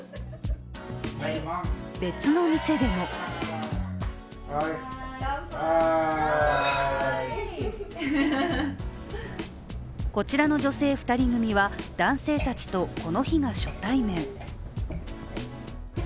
別の店でもこちらの女性２人組は男性たちと、この日が初対面。